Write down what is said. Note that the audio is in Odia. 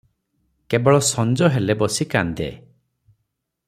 କେବଳ ସଞ୍ଜ ହେଲେ ବସି କାନ୍ଦେ ।